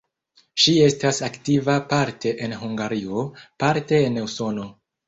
Ŝi estas aktiva parte en Hungario, parte en Usono.